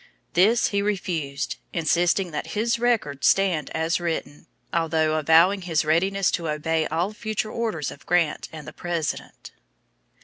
This he refused, insisting that his record stand as written, although avowing his readiness to obey all future orders of Grant and the President.